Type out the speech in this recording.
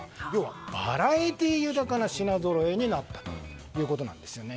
要はバラエティー豊かな品ぞろえになったということです。